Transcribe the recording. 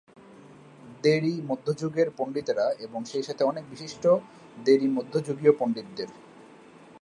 দেরী-মধ্যযুগের পণ্ডিতরা এবং সেইসাথে অনেক বিশিষ্ট দেরী মধ্যযুগীয় পণ্ডিতদের।